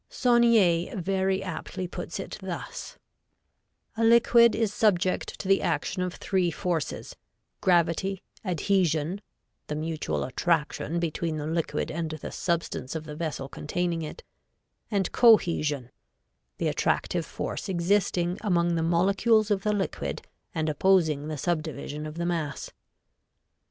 Saunier very aptly puts it thus: "A liquid is subject to the action of three forces: gravity, adhesion (the mutual attraction between the liquid and the substance of the vessel containing it), and cohesion (the attractive force existing among the molecules of the liquid and opposing the subdivision of the mass.)"